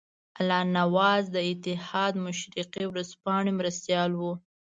الله نواز د اتحاد مشرقي ورځپاڼې مرستیال وو.